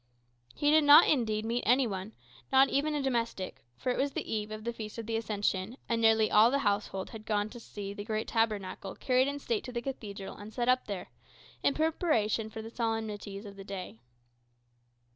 He did not, indeed, meet any one, not even a domestic; for it was the eve of the Feast of the Ascension, and nearly all the household had gone to see the great tabernacle carried in state to the Cathedral and set up there, in preparation for the solemnities of the following day.